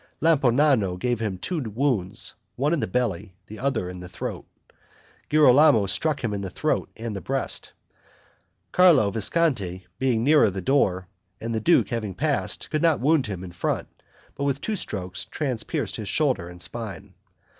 Lampognano gave him two wounds, one in the belly, the other in the throat. Girolamo struck him in the throat and breast. Carlo Visconti, being nearer the door, and the duke having passed, could not wound him in front: but with two strokes, transpierced his shoulder and spine.